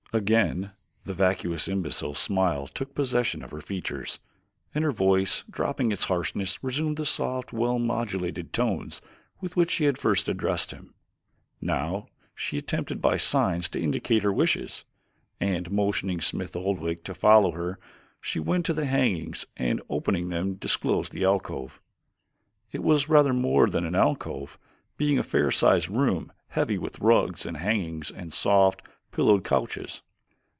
Again the vacuous, imbecile smile took possession of her features, and her voice, dropping its harshness, resumed the soft, well modulated tones with which she had first addressed him. Now she attempted by signs to indicate her wishes, and motioning Smith Oldwick to follow her she went to the hangings and opening them disclosed the alcove. It was rather more than an alcove, being a fair sized room heavy with rugs and hangings and soft, pillowed couches.